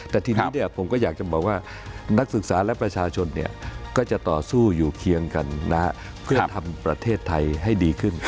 แต่ทีนี้ผมก็อยากจะบอกว่านักศึกษาและประชาชนก็จะต่อสู้อยู่เคียงกันเพื่อทำประเทศไทยให้ดีขึ้น